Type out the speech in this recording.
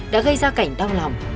đã gây ra cảnh đau lòng